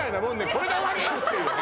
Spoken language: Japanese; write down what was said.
これで終わり！っていうね